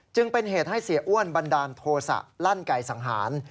จึงเป็นเหตุให้เสียอ้วนบันดาลโทษะลั่นไก่สังหาร